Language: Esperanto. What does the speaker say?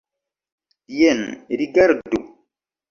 Jen rigardu.